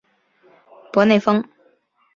博内丰。